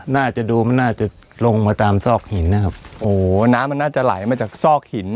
น่าจะดูมันน่าจะลงมาตามซอกหินนะครับโอ้น้ำมันน่าจะไหลมาจากซอกหิน